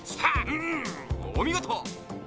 うんおみごと！